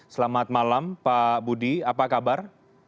selamat malam pak budi apa kabar